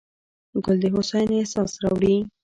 ګل د هوساینې احساس راوړي.